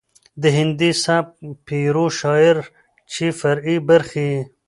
د هندي سبک پيرو شاعر چې فرعي برخې يې